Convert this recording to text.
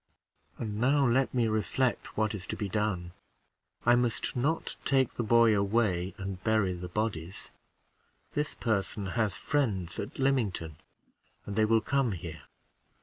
And now let me reflect what is to be done. I must not take the boy away, and bury the bodies; this person has friends at Lymington, and they will come here.